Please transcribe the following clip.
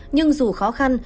nhưng dù khó khăn